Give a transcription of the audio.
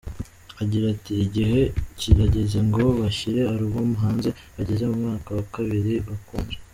Agira ati “Igihe kirageze ngo bashyire alubumu hanze, bageze mu mwaka wa kabiri bakunzwe.